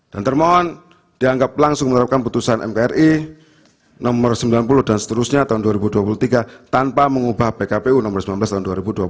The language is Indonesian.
dan termohon dianggap langsung menerapkan putusan mk ri no sembilan puluh dan seterusnya tahun dua ribu dua puluh tiga tanpa mengubah pkpu no sembilan belas tahun dua ribu dua puluh tiga